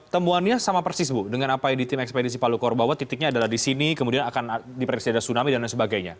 temuannya sama persis bu dengan apa yang di tim ekspedisi palu kor bahwa titiknya adalah di sini kemudian akan diprediksi ada tsunami dan lain sebagainya